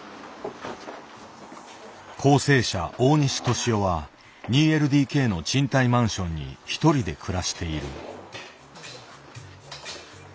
校正者大西寿男は２ＬＤＫの賃貸マンションにひとりで暮らしている。